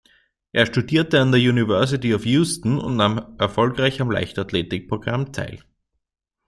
Er studierte an der University of Houston und nahm erfolgreich am Leichtathletik-Programm teil.